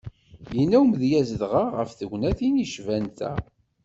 Yenna umedyaz dɣa ɣef tegnatin yecban ta.